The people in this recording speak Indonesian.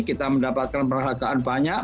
kita mendapatkan perhargaan banyak